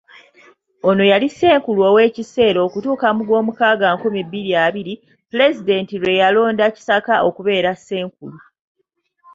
Ono yali ssenkulu ow'ekiseera okutuuka mu gw'omukaga nkumi bbiri abiri, Pulezidenti lwe yalonda Kisaka okubeera ssenkulu.